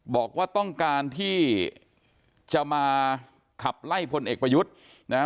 บอกว่าต้องการที่จะมาขับไล่พลเอกประยุทธ์นะฮะ